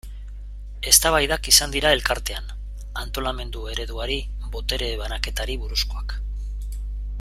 Eztabaidak izan dira Elkartean, antolamendu ereduari, botere banaketari buruzkoak.